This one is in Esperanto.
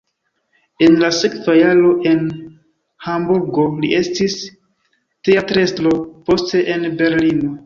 En la sekva jaro en Hamburgo li estis teatrestro, poste en Berlino.